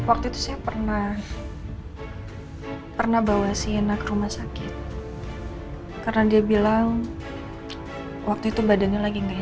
aku waktu itu saya pernah pernah bawa sienna ke rumah sakit karena dia bilang waktu itu badannya lagi nggak enak